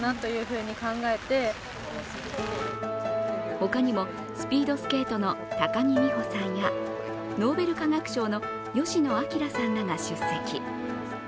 他にも、スピードスケートの高木美帆さんやノーベル化学賞の吉野彰さんらが出席。